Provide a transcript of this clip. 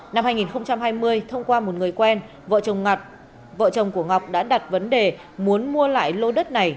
năm hai nghìn hai mươi thông qua một người quen vợ chồng ngọc đã đặt vấn đề muốn mua lại lô đất này